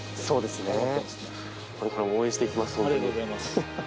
そうですね。